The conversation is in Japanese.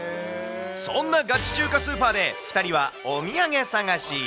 そんなガチ中華スーパーで、２人はお土産探し。